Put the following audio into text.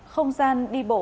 không gian đi bộ